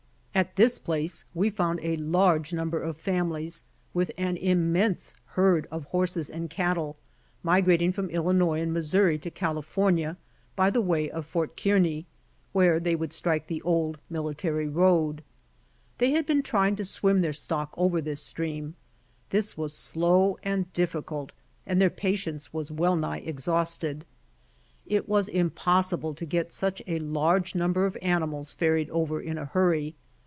At this place we found a large number of families, with an immense herd of horses and cattle, m\igrating from Illinois and Missouri to California by the way 22 BY ox TEAM TO CALIFORNIA of Fort Kearney, where they would strike the old military road. They had been trying to swim their stock over this streaml. This was slow and difficult and their patience was well nigh exhausted. It was impossible to get such a large number of animals ferried over in a hurry.